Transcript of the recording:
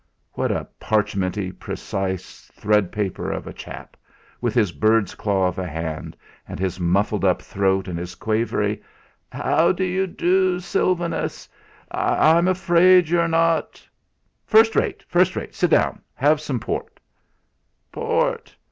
What a parchmenty, precise, thread paper of a chap, with his bird's claw of a hand, and his muffled up throat, and his quavery: "How do you do, Sylvanus? I'm afraid you're not " "First rate. Sit down. Have some port." "Port!